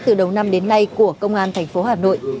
từ đầu năm đến nay của công an tp hà nội